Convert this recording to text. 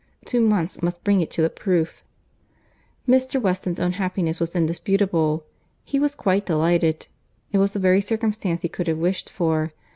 Two months must bring it to the proof. Mr. Weston's own happiness was indisputable. He was quite delighted. It was the very circumstance he could have wished for.